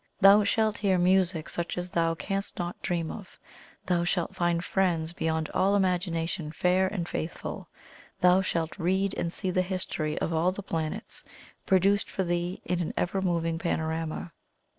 Thou shalt hear music such as thou canst not dream of. Thou shalt find friends, beyond all imagination fair and faithful. Thou shalt read and see the history of all the planets, produced for thee in an ever moving panorama.